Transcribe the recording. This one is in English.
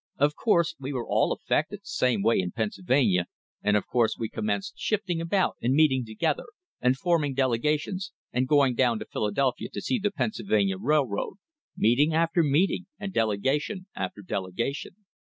Of course we were all affected the same way in Pennsylvania, and of course we commenced shifting about, and meeting together, and forming delegations, and going down to Philadelphia to see the Pennsylvania Railroad, meeting after meeting and delegation after delegation.